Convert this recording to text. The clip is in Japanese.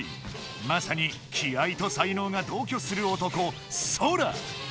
まさに気合いと才のうが同きょする男ソラ！